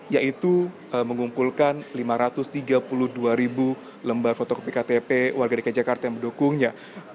yaitu mengumpulkan lima ratus tiga puluh dua ribu lembar fotokopi ktp warga dki jakarta yang mendukungnya